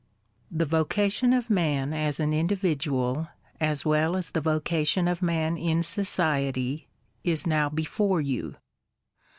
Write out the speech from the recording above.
The vocation of man as an individual, as well as the vocation of man in society, is now before you.